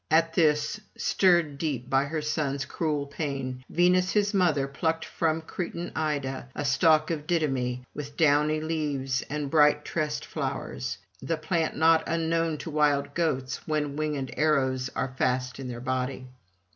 At this, stirred deep by her son's cruel pain, Venus his mother plucked from Cretan Ida a stalk of dittamy with downy leaves and bright tressed flowers, the plant not unknown to wild goats when winged arrows are fast in their body.